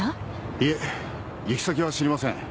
いえ行き先は知りません。